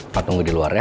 pak tunggu di luar ya